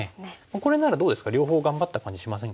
これならどうですか両方頑張った感じしませんか？